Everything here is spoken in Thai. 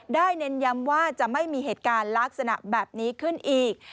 เน้นย้ำว่าจะไม่มีเหตุการณ์ลักษณะแบบนี้ขึ้นอีก